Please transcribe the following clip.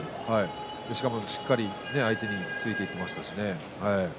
しかも、しっかり相手についていけました。